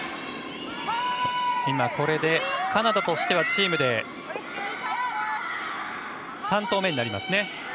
カナダとしてはチームで３投目になりますね。